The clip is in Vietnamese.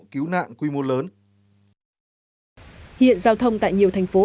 cứu nạn quy mô lớn hiện giao thông tại nhiều thành phố